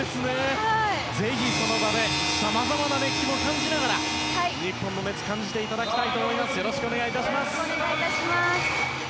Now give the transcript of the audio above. ぜひ、その場でさまざまな熱気も感じながら日本の熱を感じていただきたいと思います。